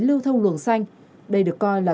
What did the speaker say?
lưu thông luồng xanh đây được coi là